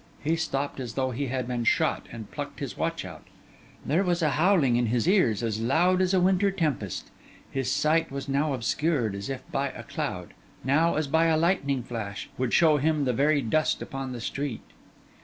He stopped as though he had been shot, and plucked his watch out. There was a howling in his ears, as loud as a winter tempest; his sight was now obscured as if by a cloud, now, as by a lightning flash, would show him the very dust upon the street.